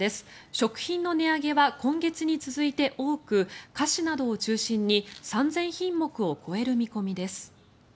食品の値上げは今月に続いて多く菓子などを中心に３０００品目を超える見込みです。